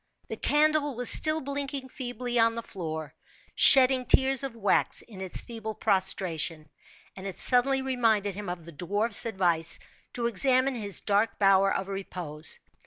The candle was still blinking feebly on the floor, shedding tears of wax in its feeble prostration, and it suddenly reminded him of the dwarf's advice to examine his dark bower of repose.